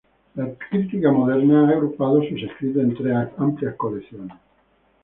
La crítica moderna ha agrupado sus escritos en tres amplias colecciones.